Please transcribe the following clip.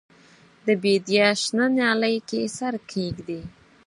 د بیدیا شنه نیالۍ کې سر کښېږدي